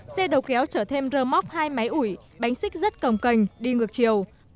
xe đầu kéo trở thêm rơ móc hai máy ủi bánh xích rất cầm cành đi ngược chiều